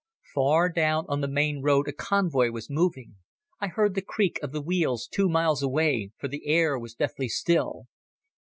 Far down on the main road a convoy was moving—I heard the creak of the wheels two miles away, for the air was deathly still.